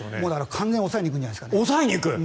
完全に抑えに行くんじゃないんですか？